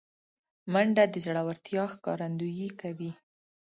منډه د زړورتیا ښکارندویي کوي